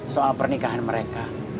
soal pernikahan mereka